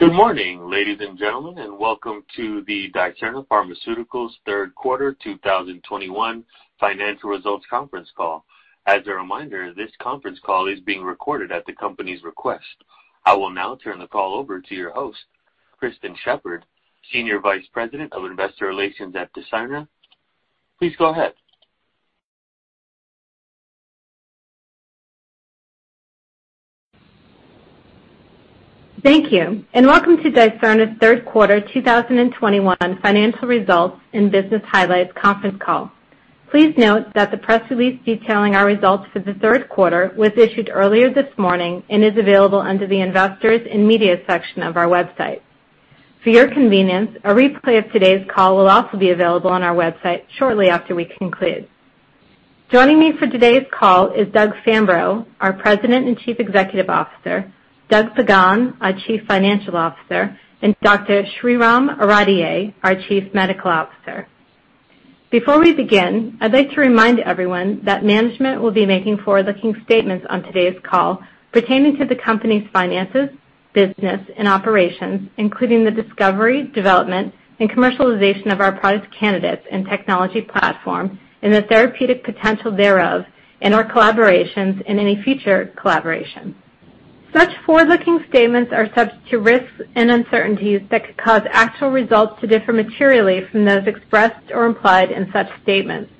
Good morning, ladies and gentlemen, and welcome to the Dicerna Pharmaceuticals Q3 2021 financial results conference call. As a reminder, this conference call is being recorded at the company's request. I will now turn the call over to your host, Kristen Sheppard, Senior Vice President of Investor Relations at Dicerna. Please go ahead. Thank you, and welcome to Dicerna's Q3 2021 financial results and business highlights conference call. Please note that the press release detailing our results for the Q3 was issued earlier this morning and is available under the Investors and Media section of our website. For your convenience, a replay of today's call will also be available on our website shortly after we conclude. Joining me for today's call is Doug Fambrough, our President and Chief Executive Officer, Douglas Pagán, our Chief Financial Officer, and Dr. Shreeram Aradhye, our Chief Medical Officer. Before we begin, I'd like to remind everyone that management will be making forward-looking statements on today's call pertaining to the company's finances, business, and operations, including the discovery, development, and commercialization of our product candidates and technology platform and the therapeutic potential thereof in our collaborations and any future collaborations. Such forward-looking statements are subject to risks and uncertainties that could cause actual results to differ materially from those expressed or implied in such statements.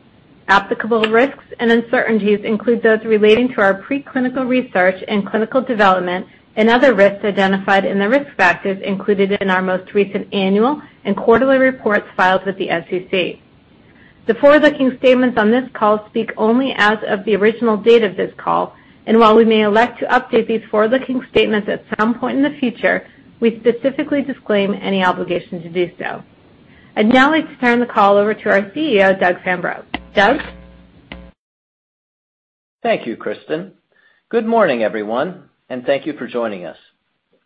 Applicable risks and uncertainties include those relating to our preclinical research and clinical development and other risks identified in the risk factors included in our most recent annual and quarterly reports filed with the SEC. The forward-looking statements on this call speak only as of the original date of this call, and while we may elect to update these forward-looking statements at some point in the future, we specifically disclaim any obligation to do so. I'd now like to turn the call over to our CEO, Doug Fambrough. Doug? Thank you, Kristen. Good morning, everyone, and thank you for joining us.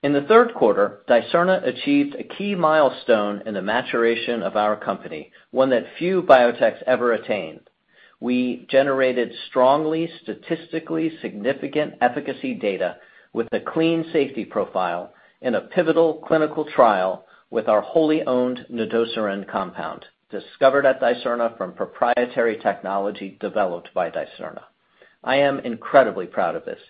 In the Q3, Dicerna achieved a key milestone in the maturation of our company, one that few biotechs ever attain. We generated strongly statistically significant efficacy data with a clean safety profile in a pivotal clinical trial with our wholly owned nedosiran compound, discovered at Dicerna from proprietary technology developed by Dicerna. ]]I am incredibly proud of this,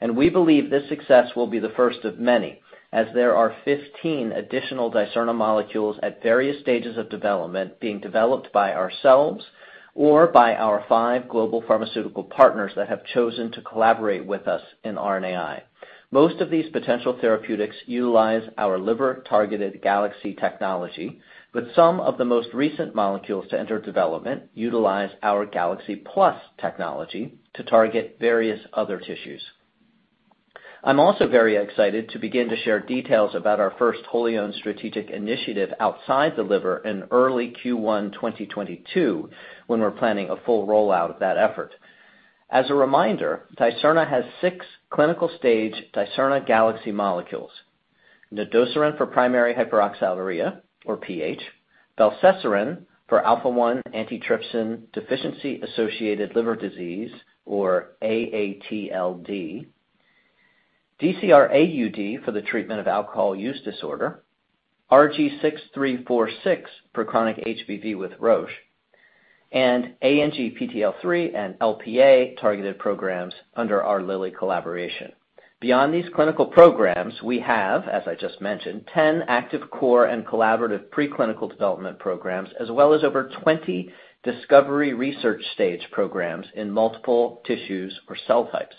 and we believe this success will be the first of many, as there are 15 additional Dicerna molecules at various stages of development being developed by ourselves or by our five global pharmaceutical partners that have chosen to collaborate with us in RNAi. Most of these potential therapeutics utilize our liver-targeted GalXC technology, but some of the most recent molecules to enter development utilize our GalXC-Plus technology to target various other tissues. I'm also very excited to begin to share details about our first wholly owned strategic initiative outside the liver in early Q1 2022 when we're planning a full rollout of that effort. As a reminder, Dicerna has six clinical-stage Dicerna GalXC molecules. Nedosiran for primary hyperoxaluria or PH, belcesiran for alpha-1 antitrypsin deficiency-associated liver disease or AATLD, DCR-AUD for the treatment of alcohol use disorder, RG6346 for chronic HBV with Roche, and ANGPTL3 and LPA-targeted programs under our Lilly collaboration. Beyond these clinical programs, we have, as I just mentioned, 10 active core and collaborative preclinical development programs as well as over 20 discovery research stage programs in multiple tissues or cell types.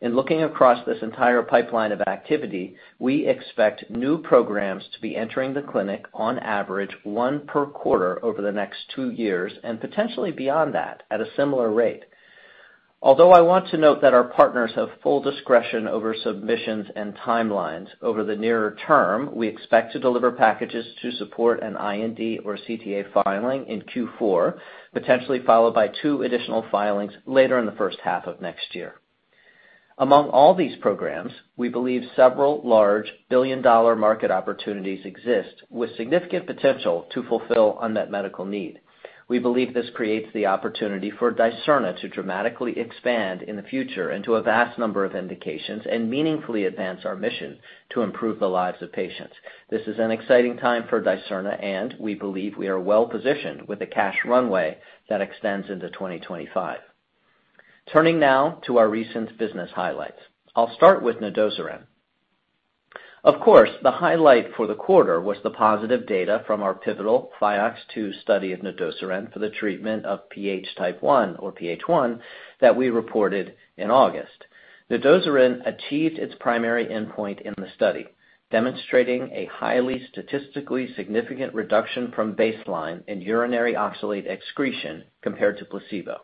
In looking across this entire pipeline of activity, we expect new programs to be entering the clinic on average one per quarter over the next two years and potentially beyond that at a similar rate. Although I want to note that our partners have full discretion over submissions and timelines, over the nearer term, we expect to deliver packages to support an IND or CTA filing in Q4, potentially followed by two additional filings later in the first half of next year. Among all these programs, we believe several large billion-dollar market opportunities exist with significant potential to fulfill unmet medical need. We believe this creates the opportunity for Dicerna to dramatically expand in the future into a vast number of indications and meaningfully advance our mission to improve the lives of patients. This is an exciting time for Dicerna, and we believe we are well-positioned with a cash runway that extends into 2025. Turning now to our recent business highlights. I'll start with nedosiran. Of course, the highlight for the quarter was the positive data from our pivotal PHYOX2 study of nedosiran for the treatment of PH type 1 or PH1 that we reported in August. Nedosiran achieved its primary endpoint in the study, demonstrating a highly statistically significant reduction from baseline in urinary oxalate excretion compared to placebo.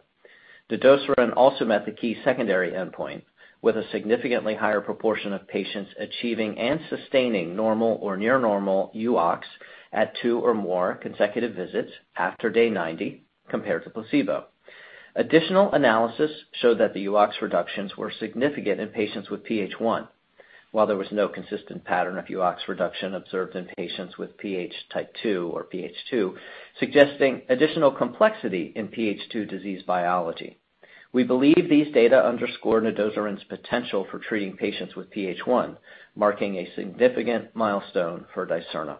Nedosiran also met the key secondary endpoint with a significantly higher proportion of patients achieving and sustaining normal or near normal UOX at two or more consecutive visits after day 90 compared to placebo. Additional analysis showed that the UOX reductions were significant in patients with PH1, while there was no consistent pattern of UOX reduction observed in patients with PH type 2 or PH2, suggesting additional complexity in PH2 disease biology. We believe these data underscore nedosiran's potential for treating patients with PH1, marking a significant milestone for Dicerna.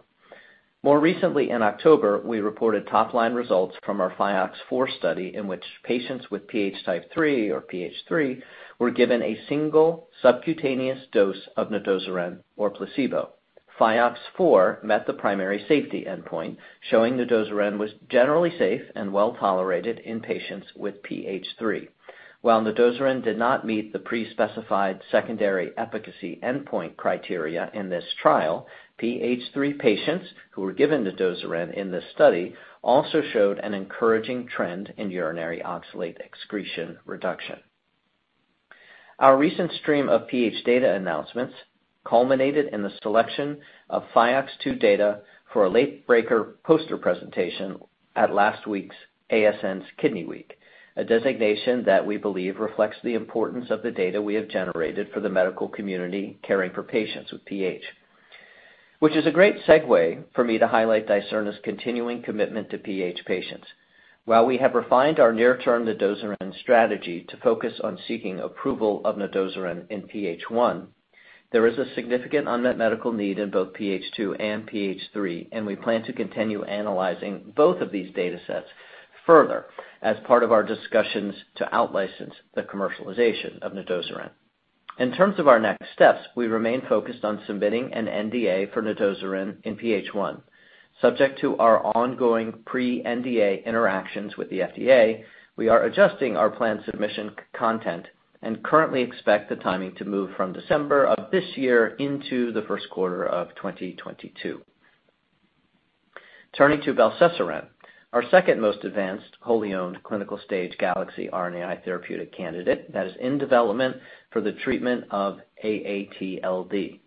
More recently, in October, we reported top-line results from our PHYOX4 study, in which patients with PH type 3 or PH3 were given a single subcutaneous dose of nedosiran or placebo. PHYOX4 met the primary safety endpoint, showing nedosiran was generally safe and well-tolerated in patients with PH3. While nedosiran did not meet the pre-specified secondary efficacy endpoint criteria in this trial, PH3 patients who were given nedosiran in this study also showed an encouraging trend in urinary oxalate excretion reduction. Our recent stream of PH data announcements culminated in the selection of PHYOX2 data for a late breaker poster presentation at last week's ASN's Kidney Week, a designation that we believe reflects the importance of the data we have generated for the medical community caring for patients with PH. Which is a great segue for me to highlight Dicerna's continuing commitment to PH patients. While we have refined our near-term nedosiran strategy to focus on seeking approval of nedosiran in PH1, there is a significant unmet medical need in both PH2 and PH3, and we plan to continue analyzing both of these data sets further as part of our discussions to out-license the commercialization of nedosiran. In terms of our next steps, we remain focused on submitting an NDA for nedosiran in PH1. Subject to our ongoing pre-NDA interactions with the FDA, we are adjusting our planned submission content and currently expect the timing to move from December of this year into the Q1 of 2022. Turning to belcesiran, our second most advanced wholly owned clinical stage GalXC RNAi therapeutic candidate that is in development for the treatment of AATLD.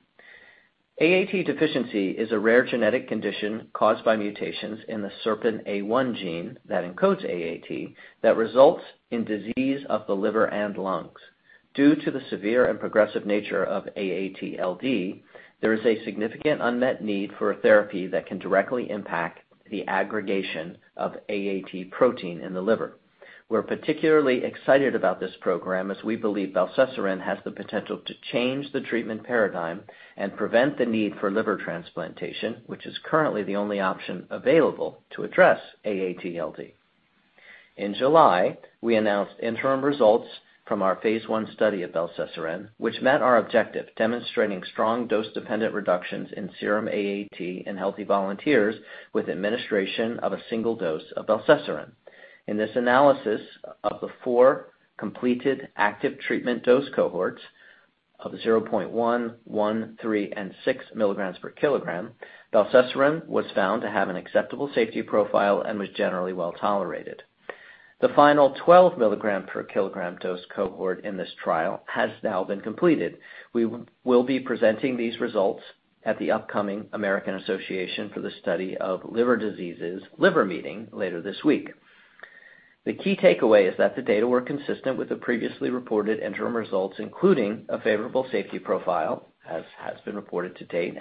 AAT deficiency is a rare genetic condition caused by mutations in the SERPINA1 gene that encodes AAT that results in disease of the liver and lungs. Due to the severe and progressive nature of AATLD, there is a significant unmet need for a therapy that can directly impact the aggregation of AAT protein in the liver. We're particularly excited about this program as we believe belcesiran has the potential to change the treatment paradigm and prevent the need for liver transplantation, which is currently the only option available to address AATLD. In July, we announced interim results from our phase I study of belcesiran, which met our objective, demonstrating strong dose-dependent reductions in serum AAT in healthy volunteers with administration of a single dose of belcesiran. In this analysis of the four completed active treatment dose cohorts of 0.1, 3, and 6 milligrams per kilogram, belcesiran was found to have an acceptable safety profile and was generally well-tolerated. The final 12 milligram per kilogram dose cohort in this trial has now been completed. We will be presenting these results at the upcoming American Association for the Study of Liver Diseases Liver Meeting later this week. The key takeaway is that the data were consistent with the previously reported interim results, including a favorable safety profile, as has been reported to date.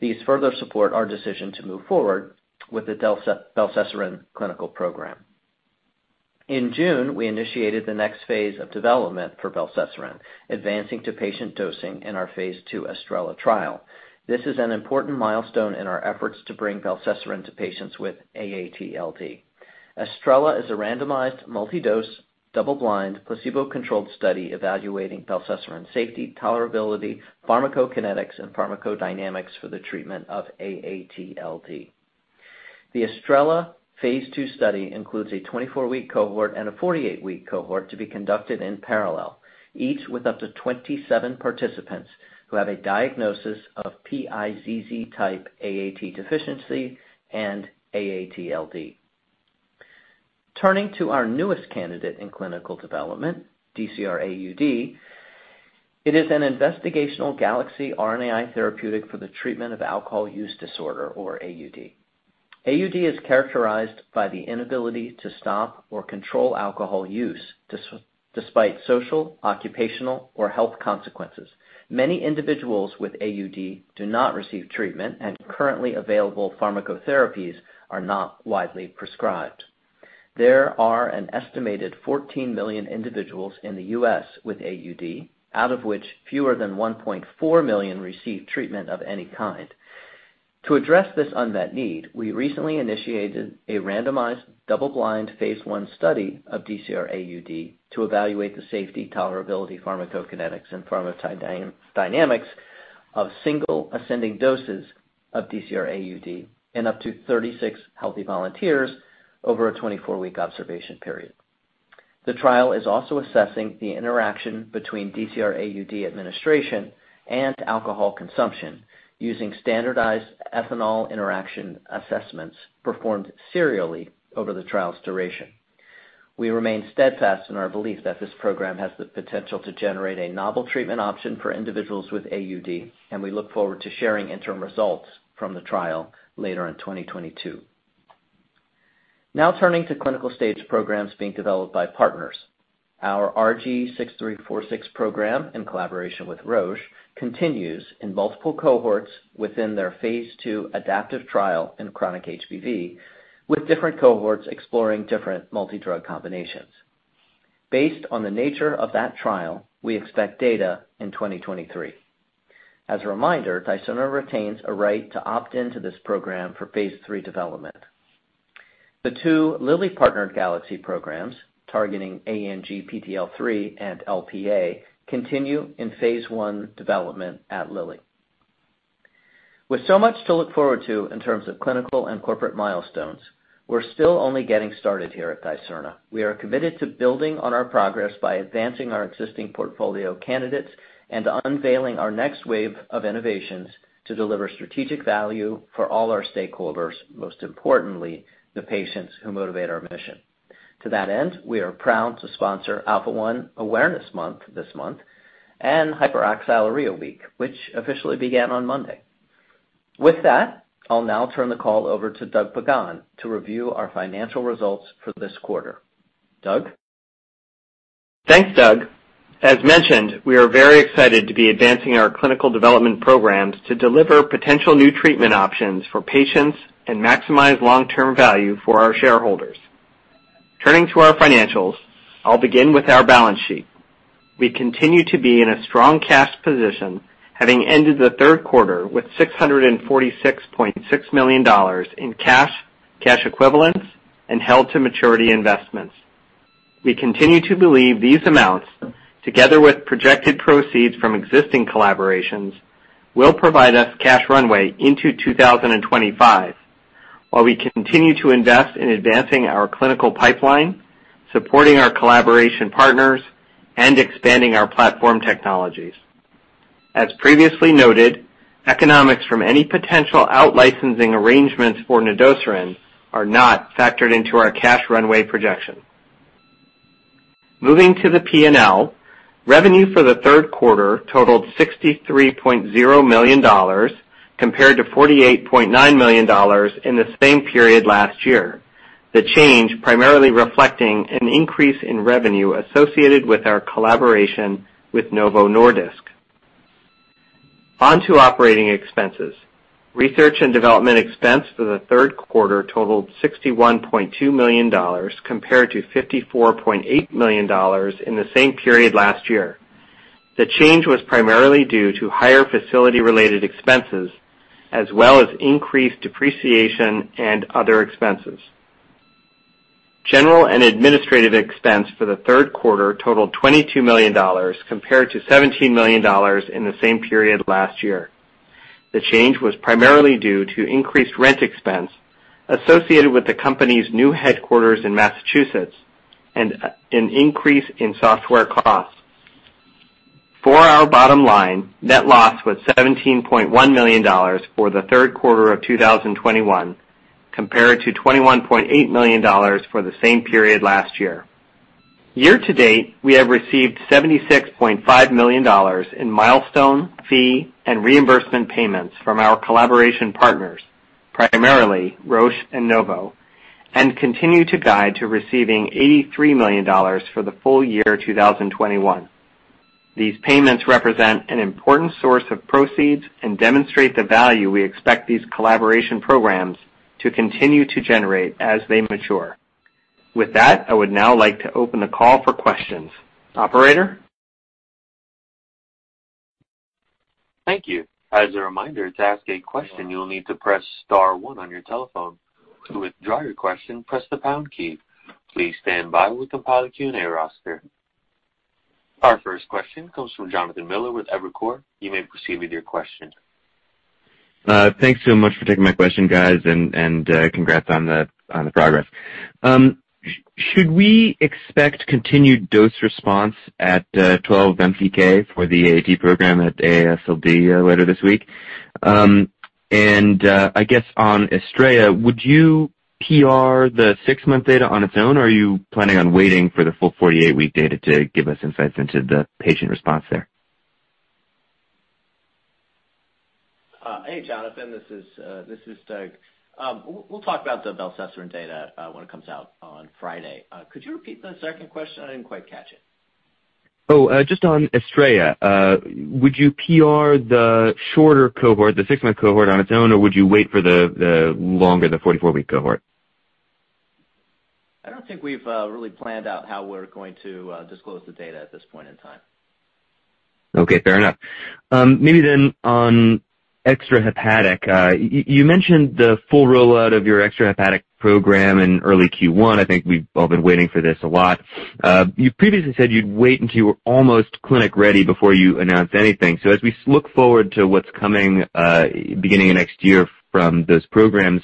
These further support our decision to move forward with the belcesiran clinical program. In June, we initiated the next phase of development for belcesiran, advancing to patient dosing in our phase II ESTRELLA trial. This is an important milestone in our efforts to bring belcesiran to patients with AATLD. ESTRELLA is a randomized, multi-dose, double-blind, placebo-controlled study evaluating belcesiran safety, tolerability, pharmacokinetics, and pharmacodynamics for the treatment of AATLD. The ESTRELLA phase II study includes a 24-week cohort and a 48-week cohort to be conducted in parallel, each with up to 27 participants who have a diagnosis of PIZZ type AAT deficiency and AATLD. Turning to our newest candidate in clinical development, DCR-AUD, it is an investigational GalXC RNAi therapeutic for the treatment of alcohol use disorder or AUD. AUD is characterized by the inability to stop or control alcohol use despite social, occupational, or health consequences. Many individuals with AUD do not receive treatment, and currently available pharmacotherapies are not widely prescribed. There are an estimated 14 million individuals in the U.S. with AUD, out of which fewer than 1.4 million receive treatment of any kind. To address this unmet need, we recently initiated a randomized, double-blind phase I study of DCR-AUD to evaluate the safety, tolerability, pharmacokinetics, and pharmacodynamics of single ascending doses of DCR-AUD in up to 36 healthy volunteers over a 24-week observation period. The trial is also assessing the interaction between DCR-AUD administration and alcohol consumption using standardized ethanol interaction assessments performed serially over the trial's duration. We remain steadfast in our belief that this program has the potential to generate a novel treatment option for individuals with AUD, and we look forward to sharing interim results from the trial later in 2022. Now turning to clinical stage programs being developed by partners. Our RG6346 program in collaboration with Roche continues in multiple cohorts within their phase II adaptive trial in chronic HBV, with different cohorts exploring different multi-drug combinations. Based on the nature of that trial, we expect data in 2023. As a reminder, Dicerna retains a right to opt into this program for phase III development. The two Lilly partnered GalXC programs targeting ANGPTL3 and LPA continue in phase I development at Lilly. With so much to look forward to in terms of clinical and corporate milestones, we're still only getting started here at Dicerna. We are committed to building on our progress by advancing our existing portfolio candidates and unveiling our next wave of innovations to deliver strategic value for all our stakeholders, most importantly, the patients who motivate our mission. To that end, we are proud to sponsor Alpha-1 Awareness Month this month and Hyperoxaluria Week, which officially began on Monday. With that, I'll now turn the call over to Doug Pagán to review our financial results for this quarter. Doug? Thanks, Doug. As mentioned, we are very excited to be advancing our clinical development programs to deliver potential new treatment options for patients and maximize long-term value for our shareholders. Turning to our financials, I'll begin with our balance sheet. We continue to be in a strong cash position, having ended the Q3 with $646.6 million in cash equivalents, and held to maturity investments. We continue to believe these amounts, together with projected proceeds from existing collaborations, will provide us cash runway into 2025, while we continue to invest in advancing our clinical pipeline, supporting our collaboration partners, and expanding our platform technologies. As previously noted, economics from any potential out-licensing arrangements for nedosiran are not factored into our cash runway projection. Moving to the P&L, revenue for the Q3 totaled $63.0 million compared to $48.9 million in the same period last year. The change primarily reflecting an increase in revenue associated with our collaboration with Novo Nordisk. On to operating expenses. Research and development expense for the Q3 totaled $61.2 million compared to $54.8 million in the same period last year. The change was primarily due to higher facility-related expenses as well as increased depreciation and other expenses. General and administrative expense for the Q3 totaled $22 million compared to $17 million in the same period last year. The change was primarily due to increased rent expense associated with the company's new headquarters in Massachusetts and an increase in software costs. For our bottom line, net loss was $17.1 million for the Q3 of 2021 compared to $21.8 million for the same period last year. Year to date, we have received $76.5 million in milestone, fee, and reimbursement payments from our collaboration partners, primarily Roche and Novo, and continue to guide to receiving $83 million for the full year 2021. These payments represent an important source of proceeds and demonstrate the value we expect these collaboration programs to continue to generate as they mature. With that, I would now like to open the call for questions. Operator? Thank you. As a reminder, to ask a question, you will need to press star one on your telephone. To withdraw your question, press the pound key. Please stand by. We'll compile a Q&A roster. Our first question comes from Jonathan Miller with Evercore. You may proceed with your question. Thanks so much for taking my question, guys, and congrats on the progress. Should we expect continued dose response at 12-month for the AUD program at AASLD later this week? I guess on ESTRELLA, would you PR the 6-month data on its own, or are you planning on waiting for the full 48-week data to give us insights into the patient response there? Hey, Jonathan. This is Doug. We'll talk about the belcesiran data when it comes out on Friday. Could you repeat the second question? I didn't quite catch it. Just on ESTRELLA, would you PR the shorter cohort, the 6-month cohort on its own, or would you wait for the longer, the 44-week cohort? I don't think we've really planned out how we're going to disclose the data at this point in time. Okay, fair enough. Maybe then on extrahepatic. You mentioned the full rollout of your extrahepatic program in early Q1. I think we've all been waiting for this a lot. You previously said you'd wait until you were almost clinic ready before you announce anything. As we look forward to what's coming, beginning of next year from those programs,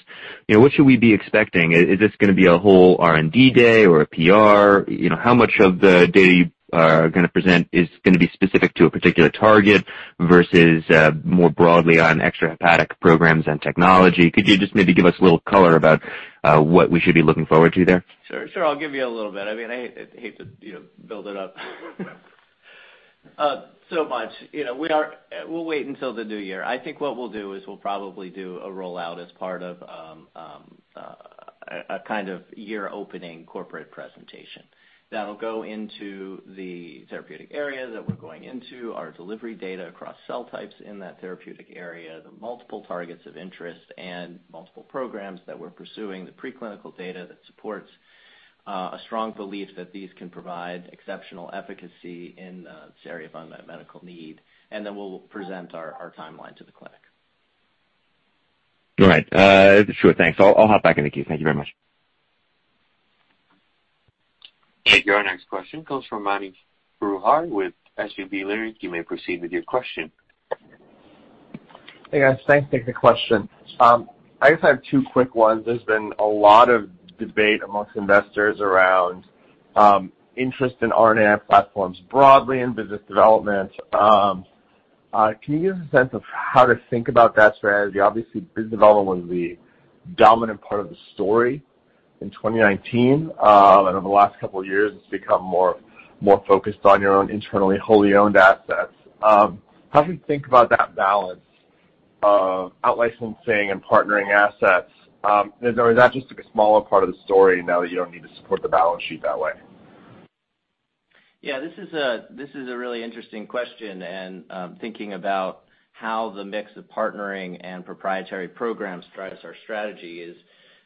you know, what should we be expecting? Is this going to be a whole R&D day or a PR? You know, how much of the data you are going to present is going to be specific to a particular target versus more broadly on extrahepatic programs and technology? Could you just maybe give us a little color about what we should be looking forward to there? Sure. I'll give you a little bit. I mean, I hate to, you know, build it up so much. You know, we'll wait until the new year. I think what we'll do is we'll probably do a rollout as part of a kind of year-opening corporate presentation that'll go into the therapeutic areas that we're going into, our delivery data across cell types in that therapeutic area, the multiple targets of interest and multiple programs that we're pursuing, the preclinical data that supports a strong belief that these can provide exceptional efficacy in this area of unmet medical need, and then we'll present our timeline to the clinic. All right. Sure. Thanks. I'll hop back in the queue. Thank you very much. Thank you. Our next question comes from Mani Foroohar with SVB Leerink. You may proceed with your question. Hey, guys. Thanks. Take the question. I guess I have two quick ones. There's been a lot of debate among investors around interest in RNA platforms broadly in business development. Can you give a sense of how to think about that strategy? Obviously, business development was the dominant part of the story in 2019. Over the last couple of years, it's become more focused on your own internally wholly owned assets. How do we think about that balance of out-licensing and partnering assets? Or is that just like a smaller part of the story now that you don't need to support the balance sheet that way? Yeah. This is a really interesting question, and thinking about how the mix of partnering and proprietary programs drives our strategy is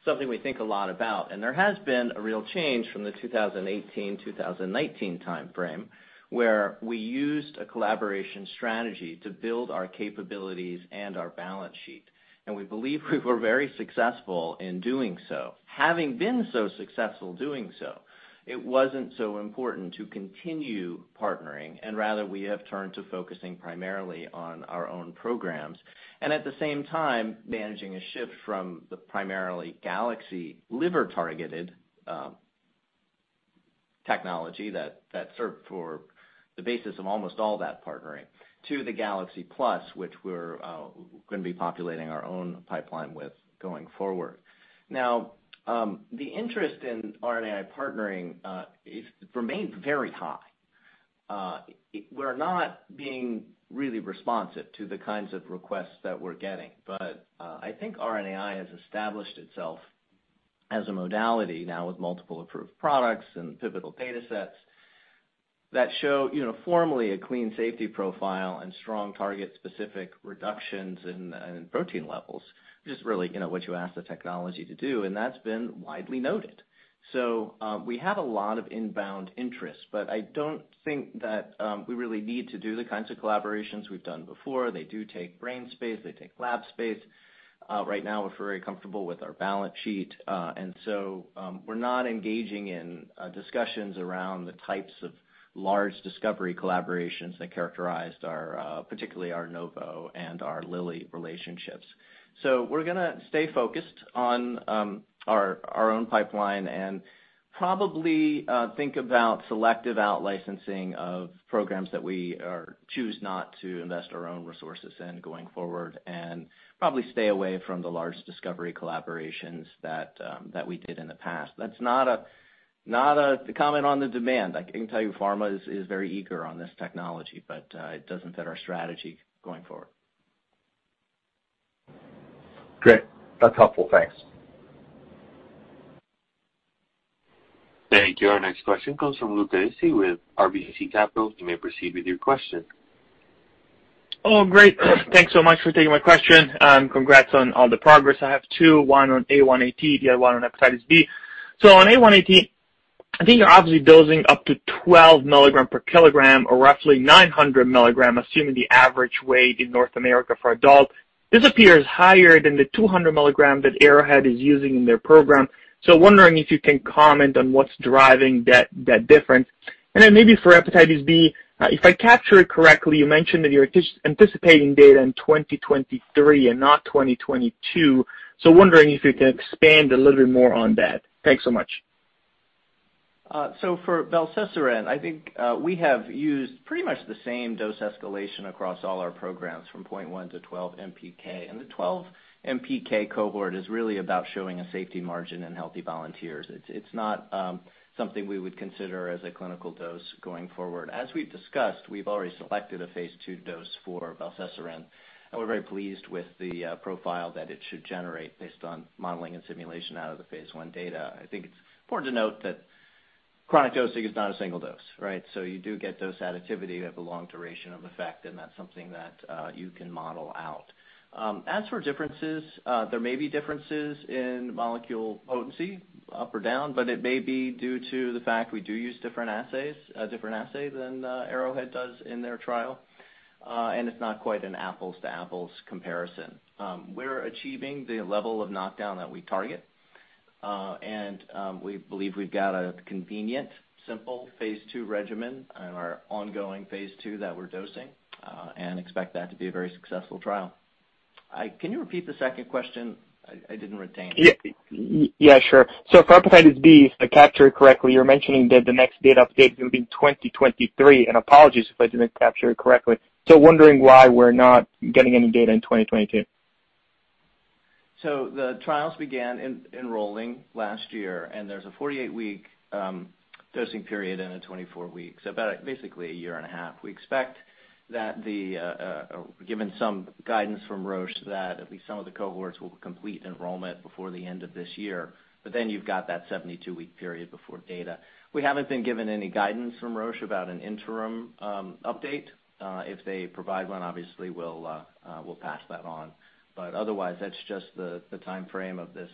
something we think a lot about. There has been a real change from the 2018, 2019 time frame, where we used a collaboration strategy to build our capabilities and our balance sheet. We believe we were very successful in doing so. Having been so successful doing so, it wasn't so important to continue partnering, and rather we have turned to focusing primarily on our own programs. At the same time, managing a shift from the primarily GalXC liver-targeted technology that served for the basis of almost all that partnering to the GalXC-Plus, which we're going to be populating our own pipeline with going forward. Now, the interest in RNAi partnering remains very high. We're not being really responsive to the kinds of requests that we're getting. I think RNAi has established itself as a modality now with multiple approved products and pivotal datasets that show, you know, formally a clean safety profile and strong target specific reductions in protein levels, just really, you know, what you ask the technology to do, and that's been widely noted. We have a lot of inbound interest, but I don't think that we really need to do the kinds of collaborations we've done before. They do take brain space. They take lab space. Right now, we're very comfortable with our balance sheet. We're not engaging in discussions around the types of large discovery collaborations that characterized our particularly our Novo and our Lilly relationships. We're going to stay focused on our own pipeline and probably think about selective out-licensing of programs that we choose not to invest our own resources in going forward and probably stay away from the large discovery collaborations that we did in the past. That's not a comment on the demand. I can tell you pharma is very eager on this technology, but it doesn't fit our strategy going forward. Great. That's helpful. Thanks. Thank you. Our next question comes from Luca Issi with RBC Capital Markets. You may proceed with your question. Oh, great. Thanks so much for taking my question, and congrats on all the progress. I have two, one on AAT, the other one on hepatitis B. On AAT, I think you're obviously dosing up to 12 milligram per kilogram or roughly 900 milligram, assuming the average weight in North America for adult. This appears higher than the 200 milligram that Arrowhead is using in their program. Wondering if you can comment on what's driving that difference. Then maybe for hepatitis B, if I capture it correctly, you mentioned that you're anticipating data in 2023 and not 2022. Wondering if you could expand a little bit more on that. Thanks so much. For belcesiran, I think we have used pretty much the same dose escalation across all our programs from 0.1 to 12 MPK. The 12 MPK cohort is really about showing a safety margin in healthy volunteers. It's not something we would consider as a clinical dose going forward. As we've discussed, we've already selected a phase II dose for belcesiran, and we're very pleased with the profile that it should generate based on modeling and simulation out of the phase I data. I think it's important to note that chronic dosing is not a single dose, right? You do get dose additivity. You have a long duration of effect, and that's something that you can model out. As for differences, there may be differences in molecule potency up or down, but it may be due to the fact we do use different assays, a different assay than Arrowhead does in their trial. It's not quite an apples to apples comparison. We're achieving the level of knockdown that we target. We believe we've got a convenient, simple phase II regimen on our ongoing phase II that we're dosing, and expect that to be a very successful trial. Can you repeat the second question? I didn't retain it. Yeah. Yeah, sure. For hepatitis B, if I capture it correctly, you're mentioning that the next data update will be in 2023, and apologies if I didn't capture it correctly. Wondering why we're not getting any data in 2022. The trials began enrolling last year, and there's a 48-week dosing period in a 24-week. About basically a year and a half. We expect that, given some guidance from Roche, at least some of the cohorts will complete enrollment before the end of this year, but then you've got that 72-week period before data. We haven't been given any guidance from Roche about an interim update. If they provide one, obviously, we'll pass that on. But otherwise, that's just the timeframe of this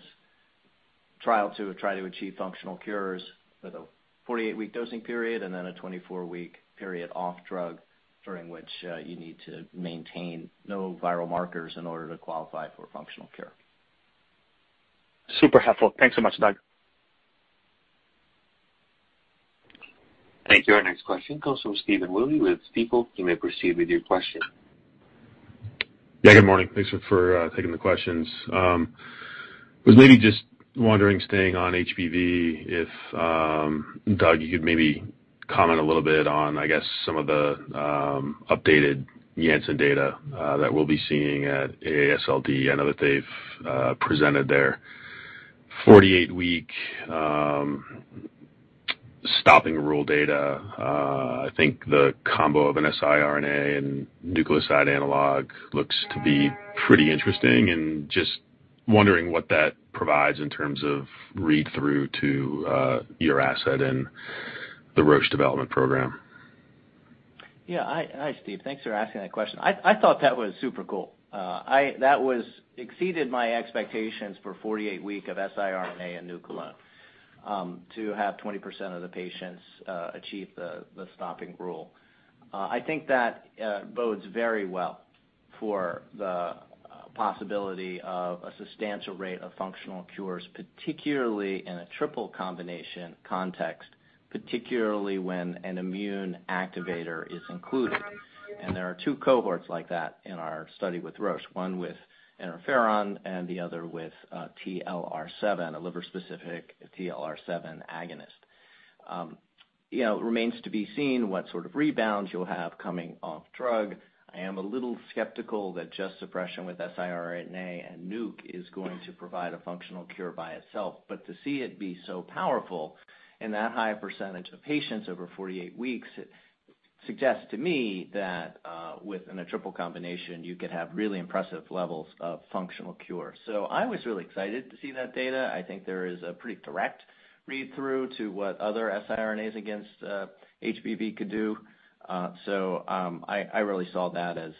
trial to try to achieve functional cures with a 48-week dosing period and then a 24-week period off drug during which you need to maintain no viral markers in order to qualify for functional cure. Super helpful. Thanks so much, Doug. Thank you. Our next question comes from Stephen Willey with Stifel. You may proceed with your question. Yeah, good morning. Thanks for taking the questions. Was maybe just wondering, staying on HBV, if Doug, you could maybe comment a little bit on, I guess, some of the updated Janssen data that we'll be seeing at AASLD. I know that they've presented their 48-week stopping rule data. I think the combo of an siRNA and nucleoside analog looks to be pretty interesting, and just wondering what that provides in terms of read-through to your asset and the Roche development program. Steve, thanks for asking that question. I thought that was super cool. That exceeded my expectations for 48-week of siRNA and nuc alone, to have 20% of the patients achieve the stopping rule. I think that bodes very well for the possibility of a substantial rate of functional cures, particularly in a triple combination context, particularly when an immune activator is included. There are two cohorts like that in our study with Roche, one with interferon and the other with TLR7, a liver-specific TLR7 agonist. You know, it remains to be seen what sort of rebounds you'll have coming off drug. I am a little skeptical that just suppression with siRNA and nuc is going to provide a functional cure by itself. To see it be so powerful in that high percentage of patients over 48 weeks suggests to me that, within a triple combination, you could have really impressive levels of functional cure. I was really excited to see that data. I think there is a pretty direct read-through to what other siRNAs against HBV could do. I really saw that as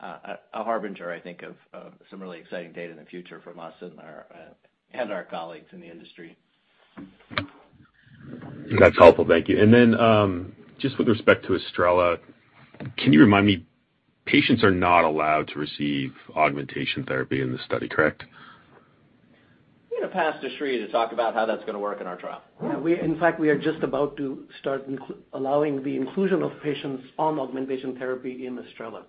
a harbinger, I think, of some really exciting data in the future from us and our colleagues in the industry. That's helpful. Thank you. Just with respect to ESTRELLA, can you remind me, patients are not allowed to receive augmentation therapy in this study, correct? I'm going to pass to Sri to talk about how that's going to work in our trial. Yeah, in fact, we are just about to start allowing the inclusion of patients on augmentation therapy in ESTRELLA.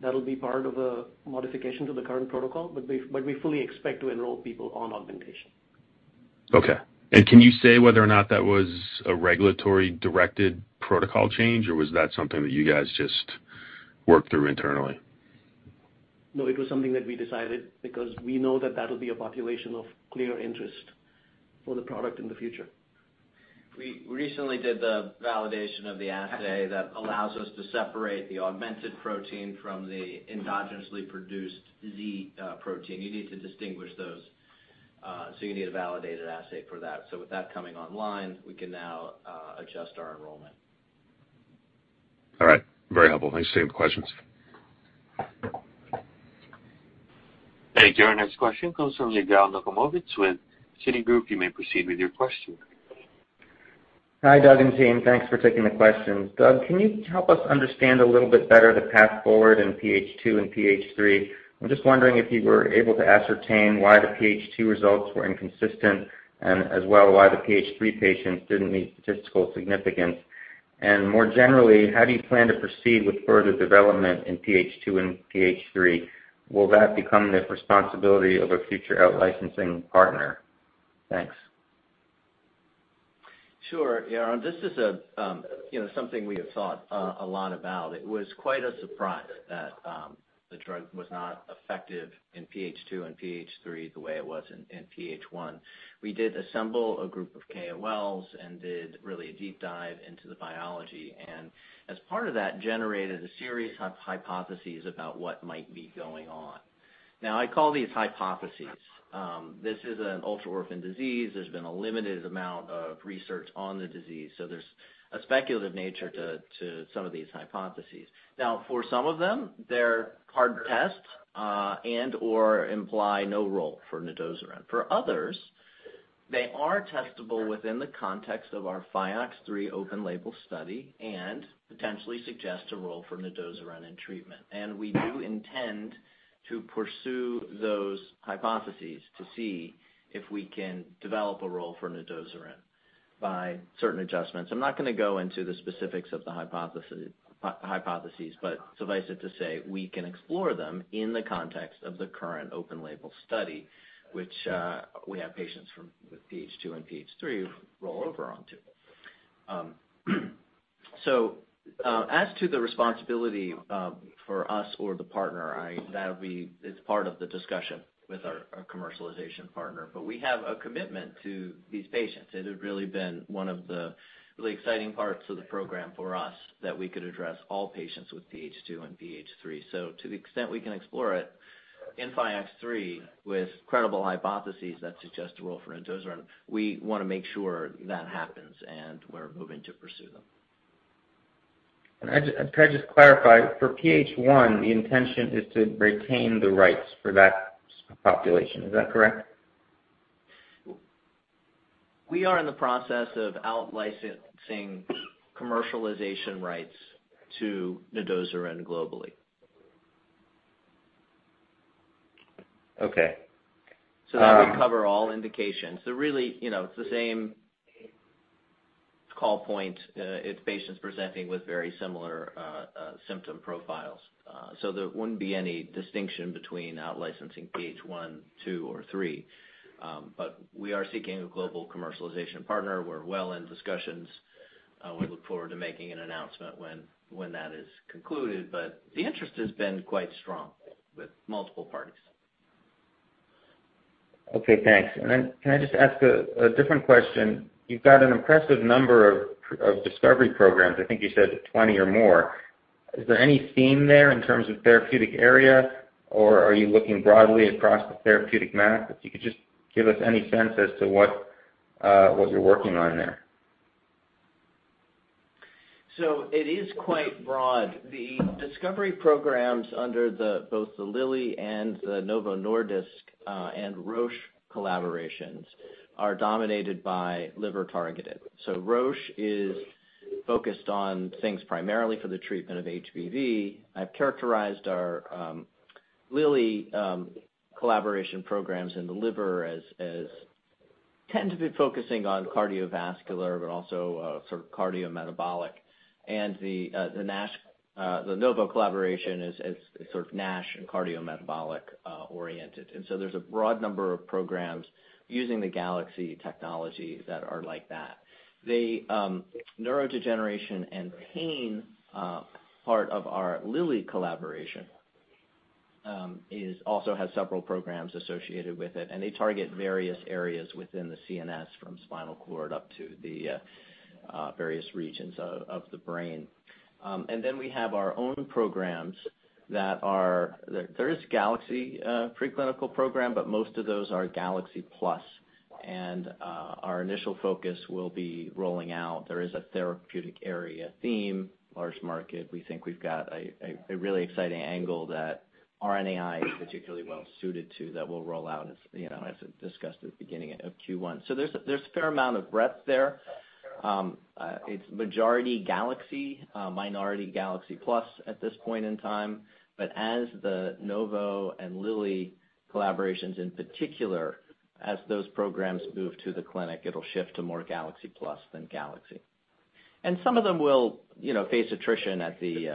That'll be part of a modification to the current protocol, but we fully expect to enroll people on augmentation. Okay. Can you say whether or not that was a regulatory-directed protocol change, or was that something that you guys just worked through internally? No, it was something that we decided because we know that that'll be a population of clear interest for the product in the future. We recently did the validation of the assay that allows us to separate the augmented protein from the endogenously produced Z protein. You need to distinguish those, so you need a validated assay for that. With that coming online, we can now adjust our enrollment. All right. Very helpful. Thanks. Same questions. Thank you. Our next question comes from Yaron Werber with Cowen. You may proceed with your question. Hi, Doug and team. Thanks for taking the questions. Doug, can you help us understand a little bit better the path forward in PH2 and PH3? I'm just wondering if you were able to ascertain why the PH2 results were inconsistent and as well why the PH3 patients didn't meet statistical significance. More generally, how do you plan to proceed with further development in PH2 and PH3? Will that become the responsibility of a future out licensing partner? Thanks. Sure, Yaron. This is a, you know, something we have thought a lot about. It was quite a surprise that the drug was not effective in PHYOX2 and PHYOX3 the way it was in PHYOX1. We did assemble a group of KOLs and did really a deep dive into the biology, and as part of that generated a series of hypotheses about what might be going on. Now, I call these hypotheses. This is an ultra-orphan disease. There's been a limited amount of research on the disease, so there's a speculative nature to some of these hypotheses. Now, for some of them, they're hard to test and/or imply no role for nedosiran. For others, they are testable within the context of our PHYOX3 open label study and potentially suggest a role for nedosiran in treatment. We do intend to pursue those hypotheses to see if we can develop a role for nedosiran by certain adjustments. I'm not going to go into the specifics of the hypotheses, but suffice it to say, we can explore them in the context of the current open-label study, which we have patients with PH2 and PH3 roll over onto. As to the responsibility for us or the partner. It's part of the discussion with our commercialization partner. We have a commitment to these patients. It had really been one of the really exciting parts of the program for us that we could address all patients with PH2 and PH3. To the extent we can explore it in PHYOX3 with credible hypotheses that suggest a role for nedosiran, we want to make sure that happens, and we're moving to pursue them. Could I just clarify, for PH1, the intention is to retain the rights for that population. Is that correct? We are in the process of out-licensing commercialization rights to nedosiran globally. Okay. That would cover all indications. Really, you know, it's the same call point if patients presenting with very similar symptom profiles. There wouldn't be any distinction between out-licensing PH 1, 2 or 3. We are seeking a global commercialization partner. We're well in discussions. We look forward to making an announcement when that is concluded, but the interest has been quite strong with multiple parties. Okay, thanks. Can I just ask a different question? You've got an impressive number of discovery programs, I think you said 20 or more. Is there any theme there in terms of therapeutic area, or are you looking broadly across the therapeutic map? If you could just give us any sense as to what you're working on there. It is quite broad. The discovery programs under both the Lilly and the Novo Nordisk and Roche collaborations are dominated by liver targeted. Roche is focused on things primarily for the treatment of HBV. I've characterized our Lilly collaboration programs in the liver as tend to be focusing on cardiovascular, but also sort of cardiometabolic. The Novo collaboration is sort of NASH and cardiometabolic oriented. There's a broad number of programs using the GalXC technology that are like that. The neurodegeneration and pain part of our Lilly collaboration is also has several programs associated with it. They target various areas within the CNS, from spinal cord up to the various regions of the brain. We have our own programs that are... There is GalXC preclinical program, but most of those are GalXC-Plus. Our initial focus will be rolling out. There is a therapeutic area theme, large market. We think we've got a really exciting angle that RNAi is particularly well suited to that we'll roll out as I discussed at the beginning of Q1. There's a fair amount of breadth there. It's majority GalXC, minority GalXC-Plus at this point in time. As the Novo and Lilly collaborations in particular, as those programs move to the clinic, it'll shift to more GalXC-Plus than GalXC. Some of them will face attrition at the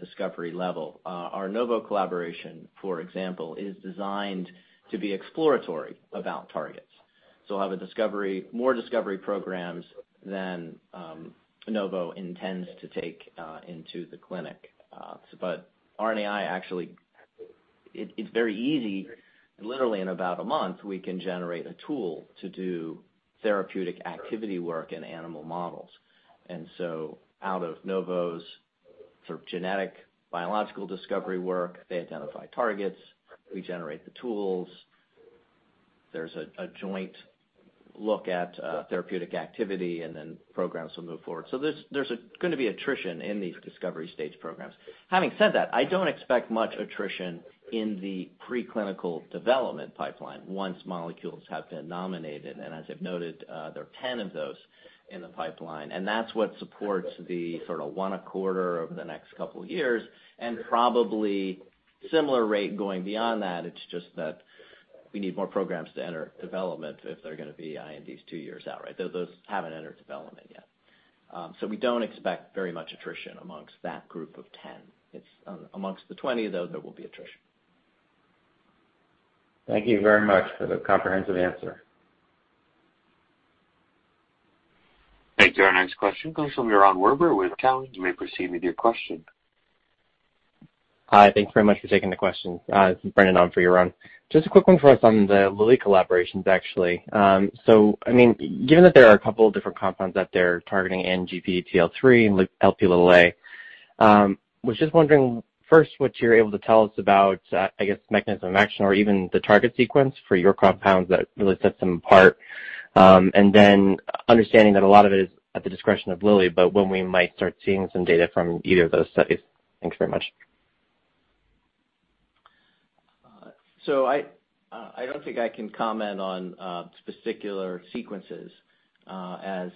discovery level. Our Novo collaboration, for example, is designed to be exploratory about targets. We'll have a discovery, more discovery programs than Novo intends to take into the clinic. RNAi actually. It's very easy, literally in about a month, we can generate a tool to do therapeutic activity work in animal models. Out of Novo's sort of genetic biological discovery work, they identify targets, we generate the tools. There's a joint look at therapeutic activity and then programs will move forward. There's going to be attrition in these discovery stage programs. Having said that, I don't expect much attrition in the preclinical development pipeline once molecules have been nominated. As I've noted, there are 10 of those in the pipeline, and that's what supports the sort of 1 a quarter over the next couple of years and probably similar rate going beyond that. It's just that we need more programs to enter development if they're going to be INDs 2 years out, right? Those haven't entered development yet. We don't expect very much attrition amongst that group of 10. It's amongst the 20, though, there will be attrition. Thank you very much for the comprehensive answer. Thank you. Our next question comes from Yaron Werber with Cowen. You may proceed with your question. Hi. Thank you very much for taking the question. This is Brendan on for Yaron. Just a quick one for us on the Lilly collaborations actually. So I mean, given that there are a couple of different compounds out there targeting ANGPTL3 and LPA, was just wondering, first, what you're able to tell us about, I guess mechanism action or even the target sequence for your compounds that really sets them apart. And then understanding that a lot of it is at the discretion of Lilly, but when we might start seeing some data from either of those studies. Thanks very much. I don't think I can comment on particular sequences. As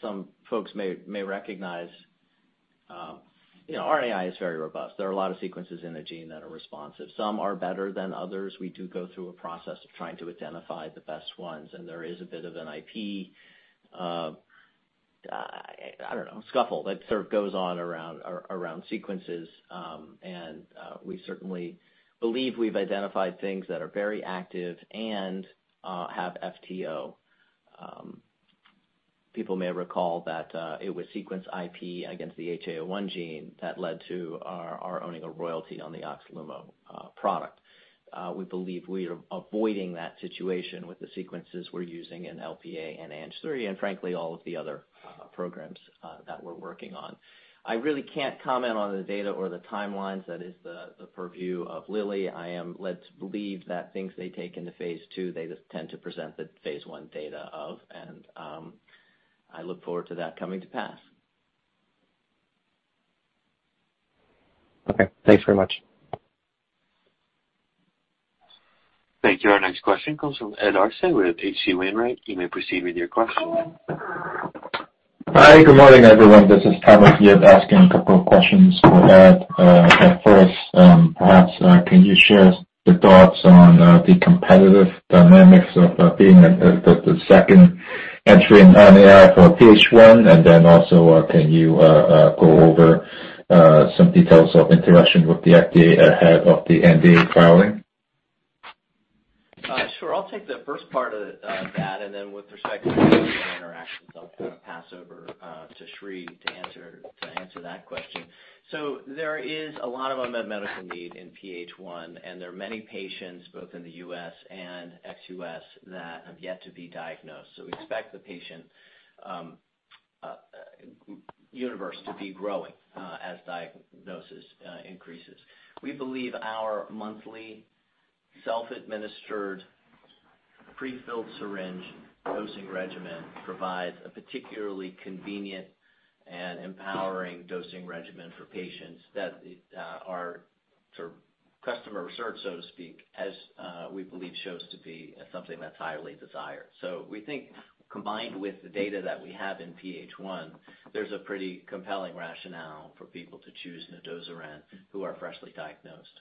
some folks may recognize, you know, RNAi is very robust. There are a lot of sequences in a gene that are responsive. Some are better than others. We do go through a process of trying to identify the best ones, and there is a bit of an IP, I don't know, scuffle that sort of goes on around sequences. We certainly believe we've identified things that are very active and have FTO. People may recall that it was sequence IP against the HAO1 gene that led to our owning a royalty on the Oxlumo product. We believe we are avoiding that situation with the sequences we're using in LPA and ANGPTL3, and frankly, all of the other programs that we're working on. I really can't comment on the data or the timelines. That is the purview of Lilly. I am led to believe that things they take into phase II, they just tend to present the phase I data of, and I look forward to that coming to pass. Okay. Thanks very much. Thank you. Our next question comes from Ed Arce with H.C. Wainwright. You may proceed with your question. Hi, good morning, everyone. This is Tamas here asking a couple of questions for Ed. At first, perhaps, can you share the thoughts on the competitive dynamics of being the second entry into the space for PH1, and then also, can you go over some details of interaction with the FDA ahead of the NDA filing? Sure. I'll take the first part of that, and then with respect to interactions, I'll pass over to Sri to answer that question. There is a lot of unmet medical need in PH1, and there are many patients both in the U.S. and ex-U.S. that have yet to be diagnosed. We expect the patient universe to be growing as diagnosis increases. We believe our monthly self-administered prefilled syringe dosing regimen provides a particularly convenient and empowering dosing regimen for patients that are sort of customer research, so to speak, as we believe shows to be something that's highly desired. We think combined with the data that we have in PH1, there's a pretty compelling rationale for people to choose nedosiran who are freshly diagnosed.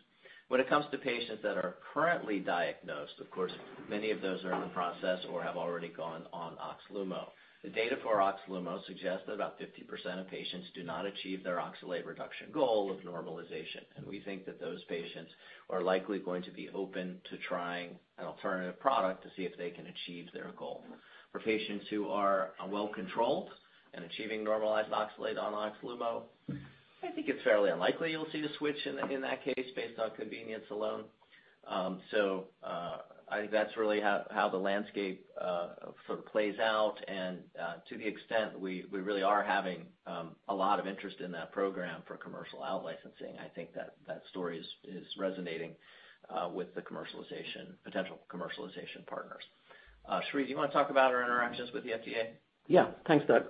When it comes to patients that are currently diagnosed, of course, many of those are in the process or have already gone on OXLUMO. The data for OXLUMO suggests that about 50% of patients do not achieve their oxalate reduction goal of normalization. We think that those patients are likely going to be open to trying an alternative product to see if they can achieve their goal. For patients who are well controlled and achieving normalized oxalate on OXLUMO, I think it's fairly unlikely you'll see the switch in that case based on convenience alone. I think that's really how the landscape sort of plays out and to the extent we really are having a lot of interest in that program for commercial out licensing. I think that story is resonating with the potential commercialization partners. Sri, do you want to talk about our interactions with the FDA? Yeah. Thanks, Doug.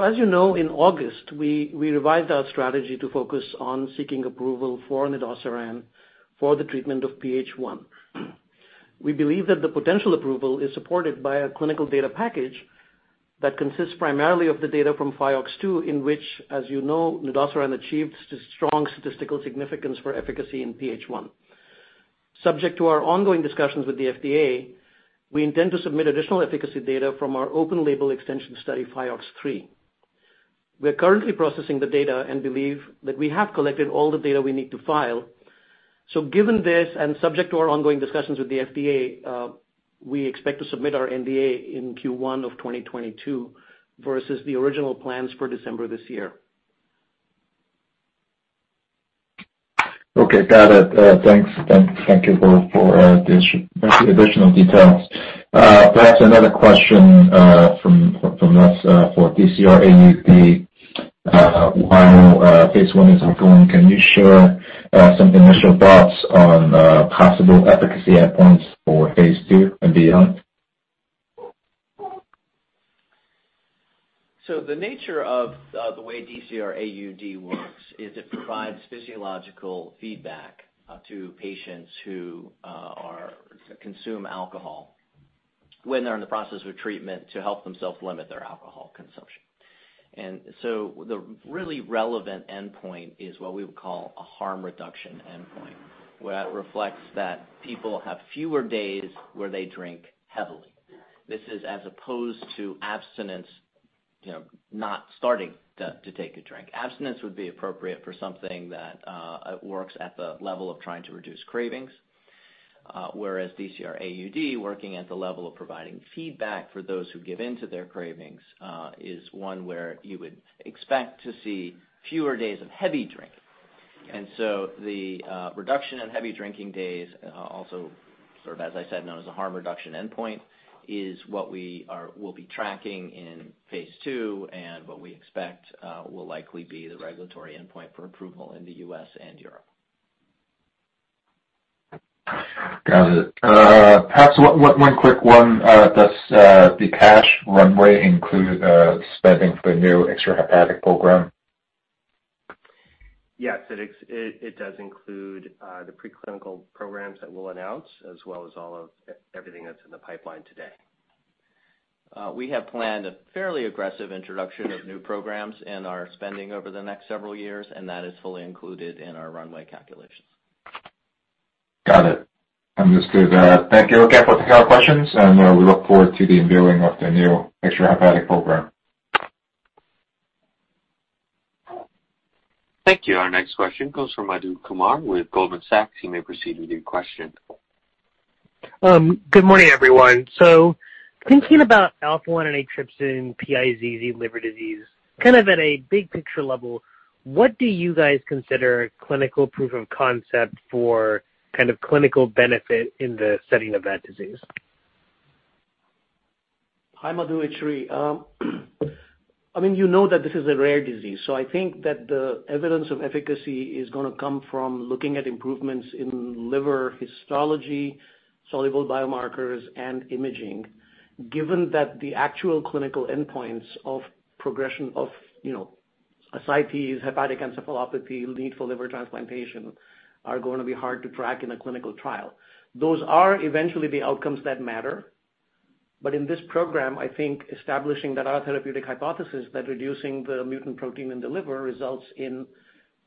As you know, in August, we revised our strategy to focus on seeking approval for nedosiran for the treatment of PH1. We believe that the potential approval is supported by a clinical data package that consists primarily of the data from PHYOX2, in which, as you know, nedosiran achieved strong statistical significance for efficacy in PH1. Subject to our ongoing discussions with the FDA, we intend to submit additional efficacy data from our open label extension study, PHYOX3. We are currently processing the data and believe that we have collected all the data we need to file. Given this, and subject to our ongoing discussions with the FDA, we expect to submit our NDA in Q1 of 2022 versus the original plans for December this year. Okay. Got it. Thanks. Thank you both for the additional details. Perhaps another question from us for DCR-AUD. While phase I is ongoing, can you share some initial thoughts on possible efficacy endpoints for phase II and beyond? The nature of the way DCR-AUD works is it provides physiological feedback to patients who consume alcohol when they're in the process of treatment to help themselves limit their alcohol consumption. The really relevant endpoint is what we would call a harm reduction endpoint, where it reflects that people have fewer days where they drink heavily. This is as opposed to abstinence, you know, not starting to take a drink. Abstinence would be appropriate for something that works at the level of trying to reduce cravings. Whereas DCR-AUD, working at the level of providing feedback for those who give into their cravings, is one where you would expect to see fewer days of heavy drinking. The reduction in heavy drinking days, also sort of, as I said, known as a harm reduction endpoint, is what we'll be tracking in phase II and what we expect will likely be the regulatory endpoint for approval in the U.S. and Europe. Got it. Perhaps one quick one. Does the cash runway include spending for the new extrahepatic program? Yes, it does include the preclinical programs that we'll announce as well as all of everything that's in the pipeline today. We have planned a fairly aggressive introduction of new programs in our spending over the next several years, and that is fully included in our runway calculations. Thank you again for taking our questions, and we look forward to the unveiling of the new extrahepatic program. Thank you. Our next question comes from Madhu Kumar with Goldman Sachs. You may proceed with your question. Good morning, everyone. Thinking about alpha-1 antitrypsin PIZZ liver disease, kind of at a big picture level, what do you guys consider clinical proof of concept for kind of clinical benefit in the setting of that disease? Hi, Madhu. It's Sri. I mean, you know that this is a rare disease, so I think that the evidence of efficacy is going to come from looking at improvements in liver histology, soluble biomarkers, and imaging. Given that the actual clinical endpoints of progression of, you know, ascites, hepatic encephalopathy, need for liver transplantation are going to be hard to track in a clinical trial. Those are eventually the outcomes that matter. In this program, I think establishing that our therapeutic hypothesis that reducing the mutant protein in the liver results in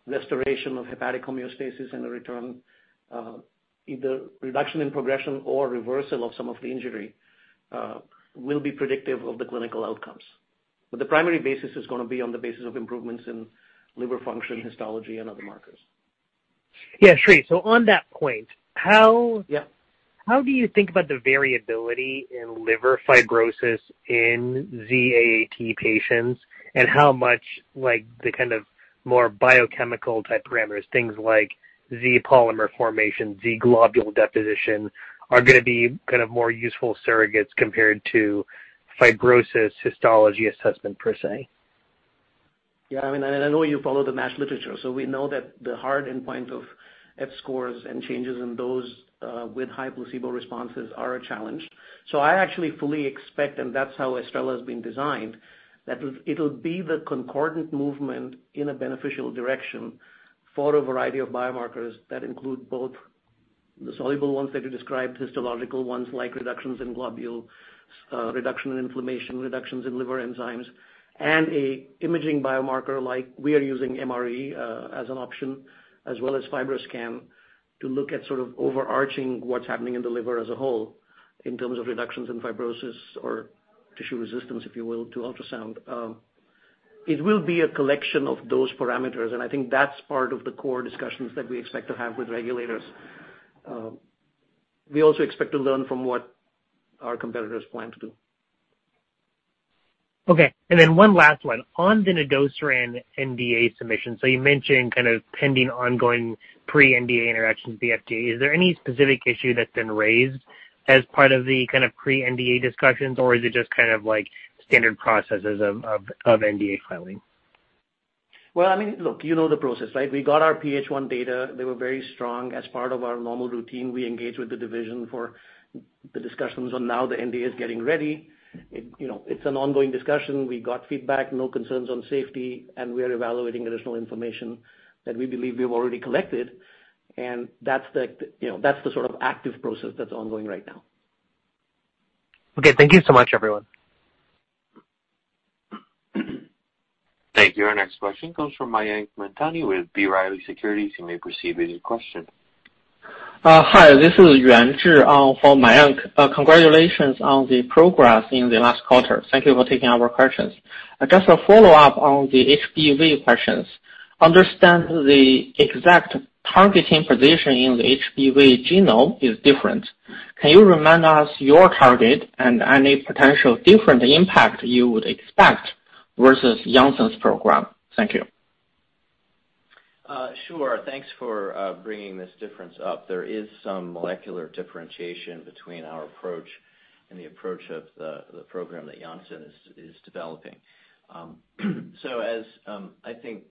restoration of hepatic homeostasis and a return, either reduction in progression or reversal of some of the injury, will be predictive of the clinical outcomes. The primary basis is going to be on the basis of improvements in liver function, histology, and other markers. Yeah. Sri, so on that point, how- Yeah. How do you think about the variability in liver fibrosis in ZAAT patients and how much like the kind of more biochemical type parameters, things like Z-polymer formation, Z-globule deposition, are going to be kind of more useful surrogates compared to fibrosis histology assessment per se? Yeah. I mean, I know you follow the NASH literature, so we know that the hard endpoint of F scores and changes in those with high placebo responses are a challenge. I actually fully expect, that's how ESTRELLA has been designed, that it'll be the concordant movement in a beneficial direction for a variety of biomarkers that include both the soluble ones that you described, histological ones like reductions in globule, reduction in inflammation, reductions in liver enzymes, and an imaging biomarker like we are using MRE as an option, as well as FibroScan, to look at sort of overarching what's happening in the liver as a whole in terms of reductions in fibrosis or tissue resistance, if you will, to ultrasound. It will be a collection of those parameters, and I think that's part of the core discussions that we expect to have with regulators. We also expect to learn from what our competitors plan to do. Okay. One last one. On the nedosiran NDA submission, so you mentioned kind of pending ongoing pre-NDA interactions with the FDA. Is there any specific issue that's been raised as part of the kind of pre-NDA discussions, or is it just kind of like standard processes of NDA filing? Well, I mean, look, you know the process, right? We got our PH1 data. They were very strong. As part of our normal routine, we engage with the division for the discussions on now the NDA is getting ready. It, you know, it's an ongoing discussion. We got feedback, no concerns on safety, and we are evaluating additional information that we believe we have already collected. That's the, you know, that's the sort of active process that's ongoing right now. Okay. Thank you so much, everyone. Thank you. Our next question comes from Mayank Mamtani with B. Riley Securities. You may proceed with your question. Hi, this is Yuan Zhi for Mayank. Congratulations on the progress in the last quarter. Thank you for taking our questions. Just a follow-up on the HBV questions. Understand the exact targeting position in the HBV genome is different. Can you remind us your target and any potential different impact you would expect versus Janssen program? Thank you. Sure. Thanks for bringing this difference up. There is some molecular differentiation between our approach and the approach of the program that Janssen is developing. So as I think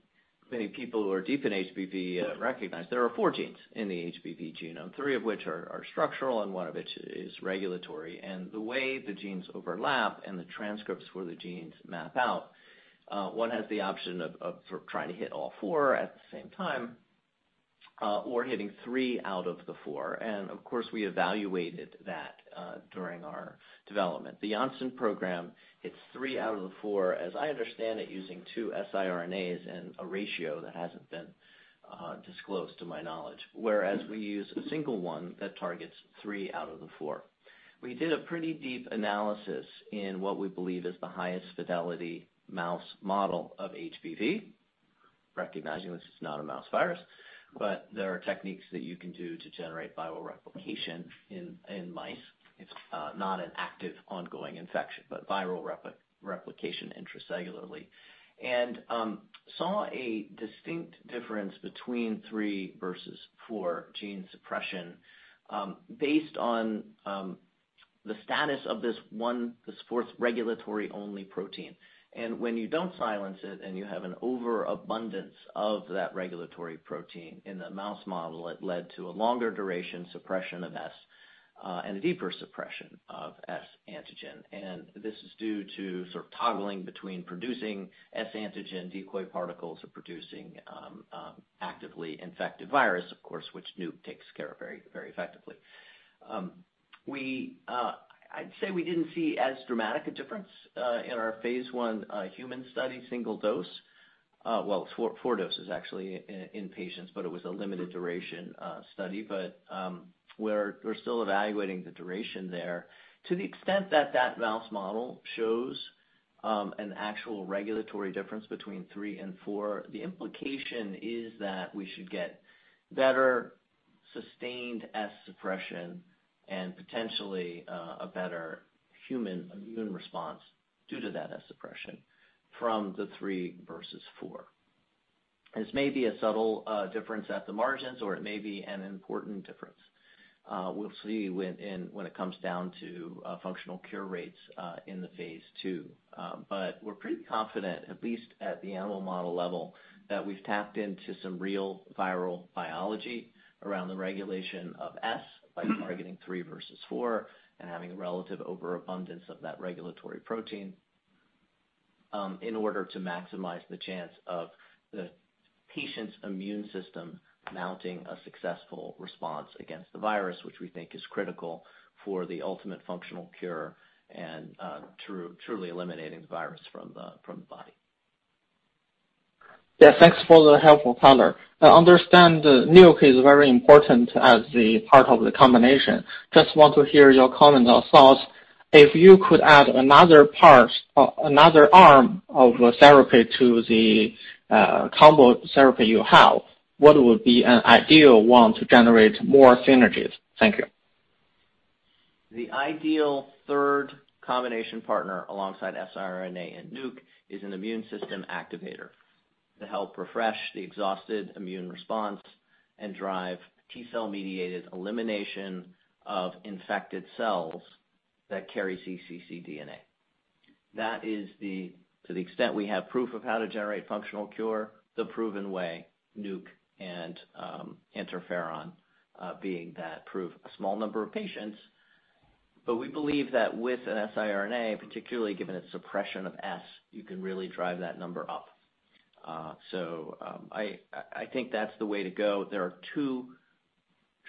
many people who are deep in HBV recognize, there are four genes in the HBV genome, three of which are structural and one of which is regulatory. The way the genes overlap and the transcripts for the genes map out, one has the option of trying to hit all four at the same time, or hitting three out of the four. Of course, we evaluated that during our development. The Janssen program hits three out of the four, as I understand it, using two siRNAs and a ratio that hasn't been disclosed to my knowledge. Whereas we use a single one that targets three out of the four. We did a pretty deep analysis in what we believe is the highest fidelity mouse model of HBV, recognizing this is not a mouse virus, but there are techniques that you can do to generate bioreplication in mice. It's not an active ongoing infection, but viral replication intracellularly. We saw a distinct difference between three versus four gene suppression, based on the status of this one, this fourth regulatory only protein. When you don't silence it and you have an overabundance of that regulatory protein in the mouse model, it led to a longer duration suppression of S, and a deeper suppression of S antigen. This is due to sort of toggling between producing S antigen decoy particles or producing actively infected virus, of course, which GalXC takes care of very, very effectively. I'd say we didn't see as dramatic a difference in our phase I human study, single dose, 4 doses actually in patients, but it was a limited duration study. We're still evaluating the duration there. To the extent that that mouse model shows an actual regulatory difference between 3 and 4, the implication is that we should get better sustained S suppression and potentially a better human immune response due to that S suppression from the 3 versus 4. This may be a subtle difference at the margins, or it may be an important difference. We'll see when, and when it comes down to, functional cure rates, in the phase II. We're pretty confident, at least at the animal model level, that we've tapped into some real viral biology around the regulation of S by targeting three versus four and having a relative overabundance of that regulatory protein. In order to maximize the chance of the patient's immune system mounting a successful response against the virus, which we think is critical for the ultimate functional cure and, truly eliminating the virus from the body. Yeah. Thanks for the helpful color. I understand NUC is very important as the part of the combination. Just want to hear your comments or thoughts. If you could add another part, another arm of a therapy to the combo therapy you have, what would be an ideal one to generate more synergies? Thank you. The ideal third combination partner alongside siRNA and NUC is an immune system activator to help refresh the exhausted immune response and drive T-cell-mediated elimination of infected cells that carry cccDNA. That is, to the extent we have proof of how to generate functional cure, the proven way, NUC and interferon being that proof. A small number of patients, but we believe that with an siRNA, particularly given its suppression of S, you can really drive that number up. I think that's the way to go. There are two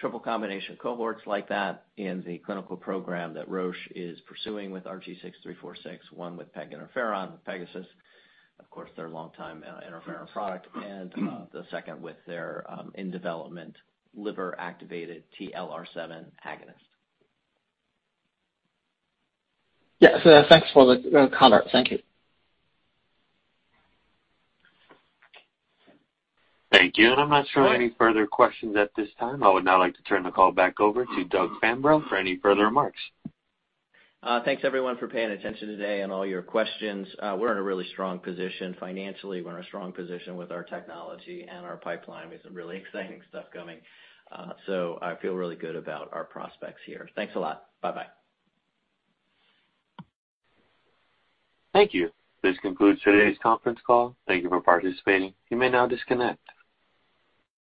triple combination cohorts like that in the clinical program that Roche is pursuing with RG6346, one with peg interferon, Pegasys, of course, their long-time interferon product, and the second with their in development liver-activated TLR7 agonist. Yes. Thanks for the color. Thank you. Thank you. I'm not showing any further questions at this time. I would now like to turn the call back over to Doug Fambrough for any further remarks. Thanks everyone for paying attention today and all your questions. We're in a really strong position financially. We're in a strong position with our technology and our pipeline. We have some really exciting stuff coming. I feel really good about our prospects here. Thanks a lot. Bye-bye. Thank you. This concludes today's conference call. Thank you for participating. You may now disconnect.